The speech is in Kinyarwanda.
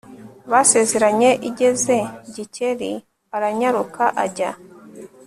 basezeranye igeze Gikeli aranyaruka ajya